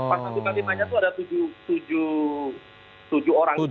pasal tiga puluh lima nya itu ada tujuh orang